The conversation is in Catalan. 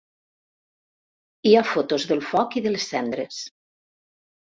Hi ha fotos del foc i de les cendres.